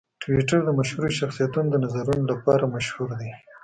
ټویټر د مشهورو شخصیتونو د نظرونو لپاره مشهور دی.